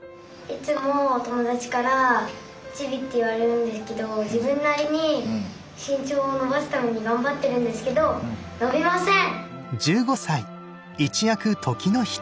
いつも友達からチビって言われるんですけど自分なりに身長を伸ばすためにがんばってるんですけど伸びません！